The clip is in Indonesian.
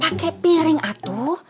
pakai piring atuh